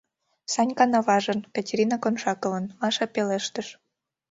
— Санькан аважын, Катерина Коншакован, — Маша пелештыш.